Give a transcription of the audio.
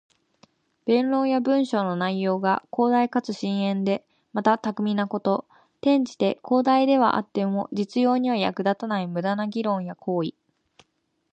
弁論や文章の内容が広大かつ深遠で、また巧みなこと。転じて、広大ではあっても実用には役立たない無駄な議論や行為。